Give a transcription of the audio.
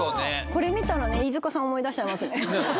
これ見たらね飯塚さん思い出しちゃいますね